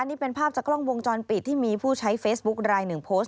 นี่เป็นภาพจากกล้องวงจรปิดที่มีผู้ใช้เฟซบุ๊คลายหนึ่งโพสต์